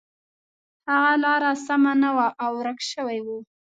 هغه لاره سمه نه وه او ورک شوی و.